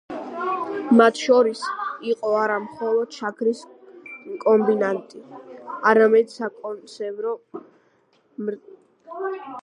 მათ შორის იყო არა მხოლოდ შაქრის კომბინატი, არამედ საკონსერვო მრეწველობა, სარემონტო-მექანიკური ქარხნები და სხვა.